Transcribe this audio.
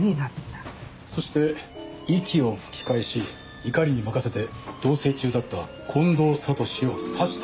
そして息を吹き返し怒りにまかせて同棲中だった近藤悟史を刺した。